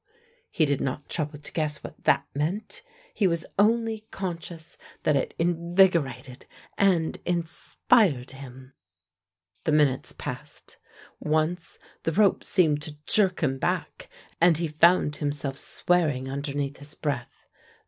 He did not trouble to guess what that meant. He was only conscious that it invigorated and inspired him. The minutes passed; once the rope seemed to jerk him back, and he found himself swearing underneath his breath.